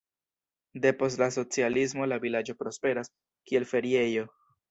Depost la socialismo la vilaĝo prosperas, kiel feriejo.